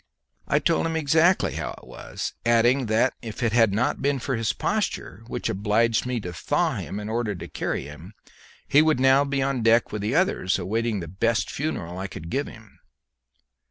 I told him exactly how it was, adding that if it had not been for his posture, which obliged me to thaw in order to carry him, he would now be on deck with the others, awaiting the best funeral I could give him.